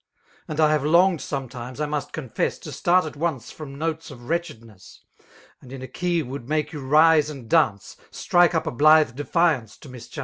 And I have longed sometimes, I must confesSi To start at once from notes of wretchedness. And: in a key would make you rise and dance,. Strike up a blithe d^flMic^ to mischance*. ~.